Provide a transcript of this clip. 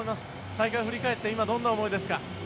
大会振り返って今、どんな思いですか？